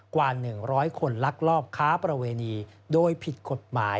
กว่า๑๐๐คนลักลอบค้าประเวณีโดยผิดกฎหมาย